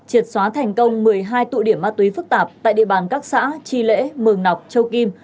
triệt xóa thành công một mươi hai tụ điểm ma túy phức tạp tại địa bàn các xã chi lễ mừng nọc châu kim